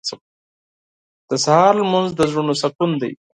• د سهار لمونځ د زړونو سکون دی.